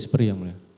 seperi yang mulia